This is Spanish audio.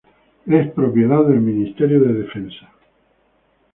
Es propiedad del Ministerio de Defensa.